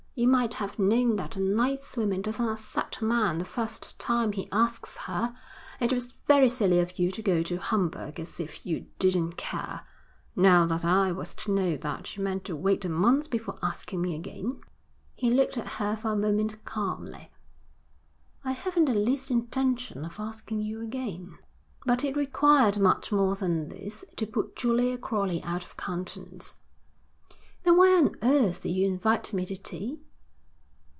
You might have known that a nice woman doesn't accept a man the first time he asks her. It was very silly of you to go to Homburg as if you didn't care. How was I to know that you meant to wait a month before asking me again?' He looked at her for a moment calmly. 'I haven't the least intention of asking you again.' But it required much more than this to put Julia Crowley out of countenance. 'Then why on earth did you invite me to tea?'